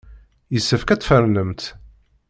Yessefk ad tfernemt.